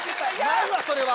ないわそれは。